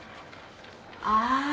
ああ。